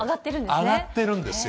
上がってるんですよ。